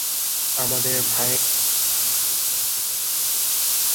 আমাদের ভাইয়ের আত্মত্যাগ বিফলে যেতে দেবেন না।